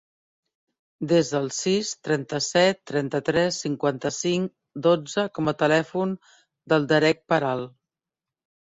Desa el sis, trenta-set, trenta-tres, cinquanta-cinc, dotze com a telèfon del Darek Peral.